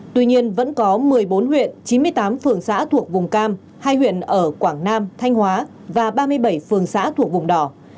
tuy nhiên vẫn có một mươi bốn huyện chín mươi tám phường xã thuộc vùng cam hai huyện ở quảng nam thanh hóa và ba mươi bảy phường xã thuộc vùng đỏ